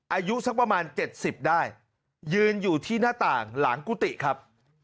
อายุสักประมาณ๗๐ได้ยืนอยู่ที่หน้าต่างหลังกุฏิครับ